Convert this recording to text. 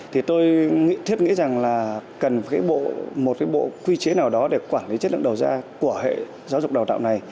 thì tôi thiết nghĩ rằng là cần một bộ quy chế nào đó để quản lý chất lượng đầu ra của hệ giáo dục đào tạo này